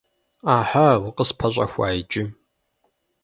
Ӏэхьа, укъыспэщӀэхуа иджы!